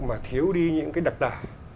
mà thiếu đi những cái đặc tả